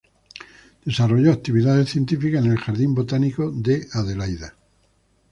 Desarrolló actividades científicas en el Jardín Botánico de Adelaida.